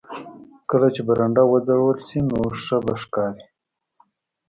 کله چې په برنډه وځړول شي نو ښه به ښکاري